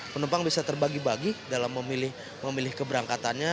penumpang bisa terbagi bagi dalam memilih keberangkatannya